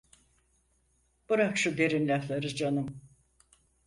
Bırak şu derin lafları canım!